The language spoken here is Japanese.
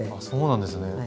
そうなんですね